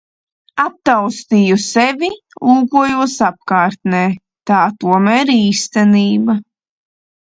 Aptaustīju sevi, lūkojos apkārtnē, tā tomēr īstenība.